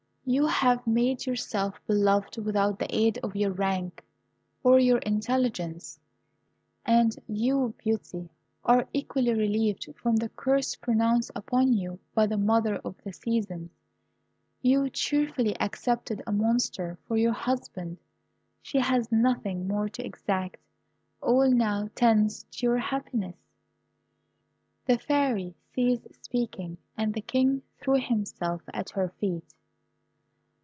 You have made yourself beloved without the aid of your rank or your intelligence; and you, Beauty, are equally relieved from the curse pronounced upon you by the Mother of the Seasons. You cheerfully accepted a monster for your husband. She has nothing more to exact. All now tends to your happiness." The Fairy ceased speaking, and the King threw himself at her feet.